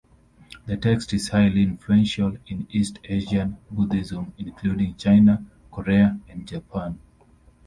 This text is highly influential in East Asian Buddhism, including China, Korea, and Japan.